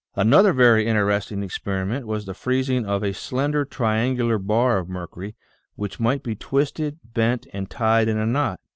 Another very interesting experiment was the freezing of a slender triangular bar of mercury which might be twisted, bent, and tied in a knot.